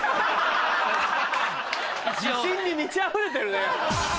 自信に満ちあふれてるね。